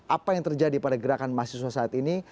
apa yang terjadi pada gerakan mahasiswa saat ini